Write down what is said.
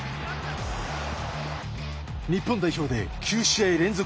日本代表で９試合連続